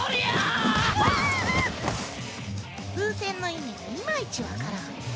風船の意味がいまいち分からん。